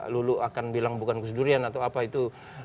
mungkin mbak lulus dulu akan bilang bukan gus durian atau apa itu